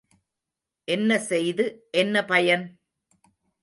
என்ன செய்து என்ன பயன்?